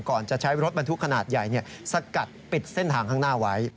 จะใช้รถบรรทุกขนาดใหญ่สกัดปิดเส้นทางข้างหน้าไว้